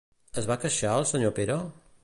Es va queixar el senyor Pere?